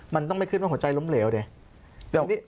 มันต้องไม่ขึ้นว่าหัวใจล้มเหลวดิ